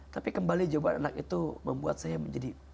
tapi kembali jawaban anak itu membuat saya menjadi